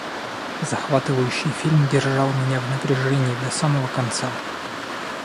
Захватывающий фильм держал меня в напряжении до самого конца.